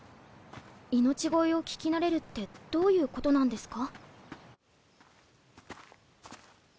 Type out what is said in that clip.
命乞いを聞き慣れるってどういうことなんですか？